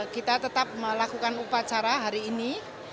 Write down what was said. kita tetap melakukan upacara hari ini